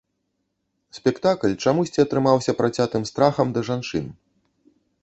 Спектакль чамусьці атрымаўся працятым страхам да жанчын.